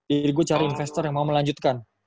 jadi gue cari investor yang mau melanjutkan